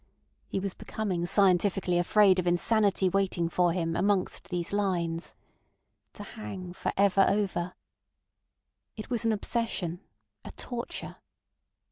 ... He was becoming scientifically afraid of insanity lying in wait for him amongst these lines. "To hang for ever over." It was an obsession, a torture.